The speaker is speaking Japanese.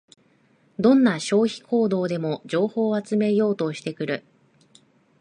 どんな消費行動でも情報を集めようとしてくる